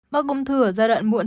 bác công thư ở giai đoạn muộn